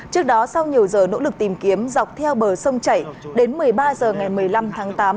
trước đó sau nhiều giờ nỗ lực tìm kiếm dọc theo bờ sông chảy đến một mươi ba h ngày một mươi năm tháng tám